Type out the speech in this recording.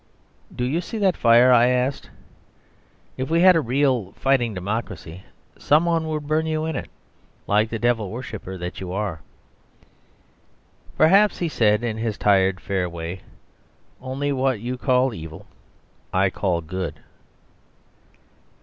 "Do you see that fire?" I asked. "If we had a real fighting democracy, some one would burn you in it; like the devil worshipper that you are." "Perhaps," he said, in his tired, fair way. "Only what you call evil I call good."